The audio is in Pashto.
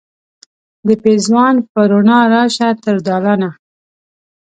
د پیزوان په روڼا راشه تر دالانه